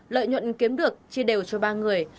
lợi nhuận kiếm được chia đều cho ba người